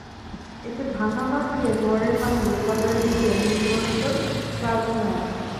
এতে ভাঙা বাঁধ দিয়ে জোয়ারের পানি লোকালয়ে ঢুকে নিম্নাঞ্চল প্লাবিত হয়।